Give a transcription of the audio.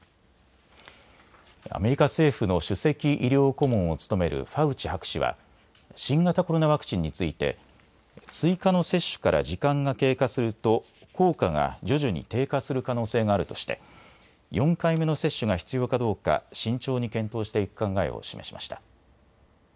アメリカ政府の首席医療顧問を務めるファウチ博士は新型コロナワクチンについて追加の接種から時間が経過すると効果が徐々に低下する可能性があるとして４回目の接種が必要かどうか慎重に検討していく考えを示しました。